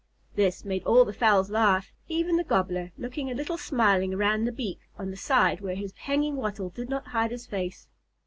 This made all the fowls laugh, even the Gobbler looking a little smiling around the beak on the side where his hanging wattle did not hide his face.